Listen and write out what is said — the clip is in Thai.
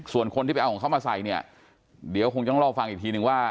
ส่วนคนที่ไปเอาของเขามาใส่เนี่ยเดี๋ยวคงต้องรอฟังอีกทีนึงว่า